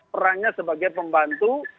perannya sebagai pembantu